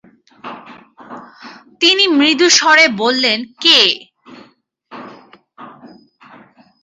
তিনি মৃদু স্বরে বললেন, কে?